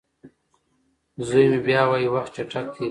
زوی مې بیا وايي وخت چټک تېریږي.